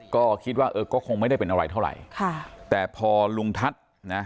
ก็คิดว่าเออก็คงไม่ได้เป็นอะไรเท่าไหร่ค่ะแต่พอลุงทัศน์นะ